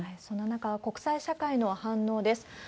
そんな中、国際社会の反応です。